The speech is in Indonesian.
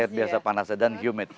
luar biasa panas dan humid